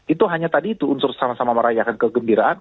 itu hanya tadi itu unsur sama sama merayakan kegembiraan